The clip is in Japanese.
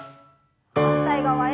反対側へ。